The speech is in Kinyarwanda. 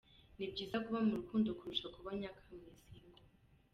ni byiza kuba mu rukundo kurusha kuba nyakamwe”Single”.